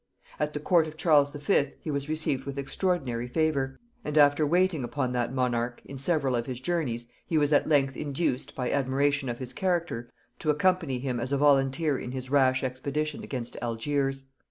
At the court of Charles V. he was received with extraordinary favor; and after waiting upon that monarch, in several of his journeys, he was at length induced, by admiration of his character, to accompany him as a volunteer in his rash expedition against Algiers.